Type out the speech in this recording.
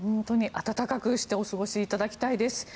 暖かくしてお過ごしいただきたいです。